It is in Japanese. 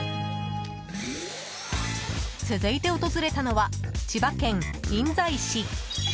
続いて訪れたのは、千葉県印西市。